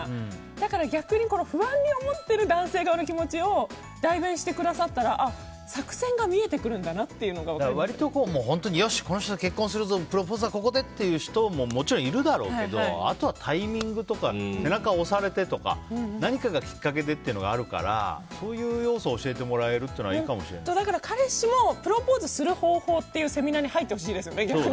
だから逆に不安に思ってる男性側の気持ちを代弁してくださったら作戦が見えてくるんだなって割と本当によし、この人と結婚するぞプロポーズはここでっていう人ももちろんいるだろうけどあとはタイミングとか背中を押されてとか何かがきっかけでってあるからそういう要素を教えてもらえるのはだから彼氏もプロポーズする方法っていうセミナーに入ってほしいですよね。